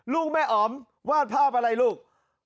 ลูกแม่อ๋อมวาดภาพอะไรลูก